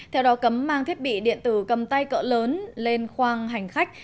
theo đó cấm mang thiết bị điện tử cầm tay cỡ lớn lên khoang hành khách